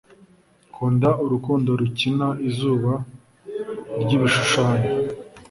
Kunda urukundo rukina izuba ryibishushanyo